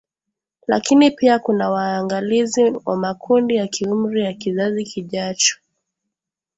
Lakini pia kuwa waangalizi wa makundi ya kiumri ya kizazi kijacho